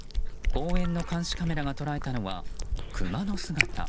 公園の監視カメラが捉えたのはクマの姿。